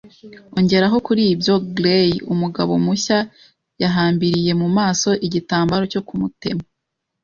Ongeraho kuri ibyo, Gray, umugabo mushya, yahambiriye mu maso igitambaro cyo kumutema